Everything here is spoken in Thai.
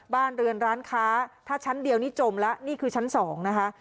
บ้านเรือนร้านค้าถ้าชั้นเดียวนี่จมแล้วนี่คือชั้น๒นะคะ